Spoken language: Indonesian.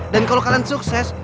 dan kalau kalian sukses